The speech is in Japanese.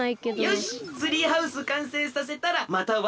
よしツリーハウスかんせいさせたらまたワッサン島いこうか。